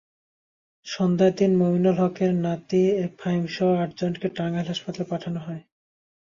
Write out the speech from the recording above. সন্ধ্যার দিকে মমিনুল হকের নাতি ফাহিমসহ আটজনকে টাঙ্গাইল হাসপাতালে পাঠানো হয়।